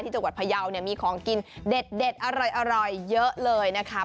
จังหวัดพยาวเนี่ยมีของกินเด็ดอร่อยเยอะเลยนะคะ